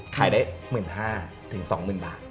ขายได้๑๕๐๐๐บาทถึง๒๐๐๐๐บาท